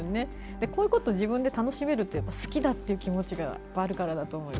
こういうことを自分で楽しめるのは好きだという気持ちがあるからだと思います。